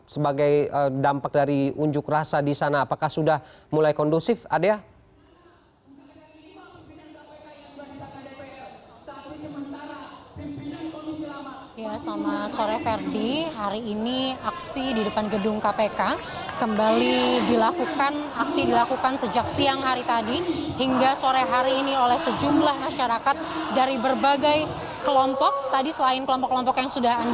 sebagai dampak dari unjuk rasa di sana apakah sudah mulai kondusif adia